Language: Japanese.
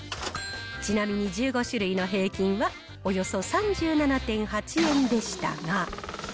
ちなみに１５種類の平均は、およそ３７．８円でしたが。